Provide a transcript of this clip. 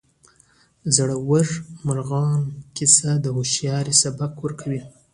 د زړورو مارغانو کیسه د هوښیارۍ سبق ورکوي.